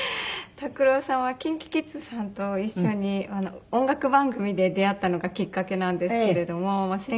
拓郎さんはＫｉｎＫｉＫｉｄｓさんと一緒に音楽番組で出会ったのがきっかけなんですけれども。